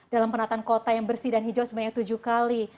dalam penataan kota yang bersih dan hijau sebanyak tujuh kali